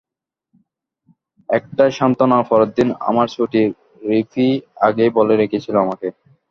একটাই সান্ত্বনা পরের দিন আমার ছুটি, রিপি আগেই বলে রেখেছিল আমাকে।